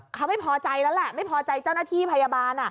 เขาไม่พอใจแล้วแหละไม่พอใจเจ้าหน้าที่พยาบาล